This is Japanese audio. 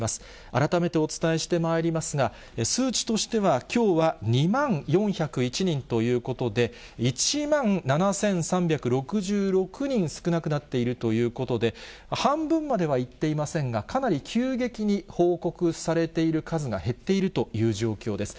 改めてお伝えしてまいりますが、数値としては、きょうは２万４０１人ということで、１万７３６６人少なくなっているということで、半分まではいっていませんが、かなり急激に報告されている数が減っているという状況です。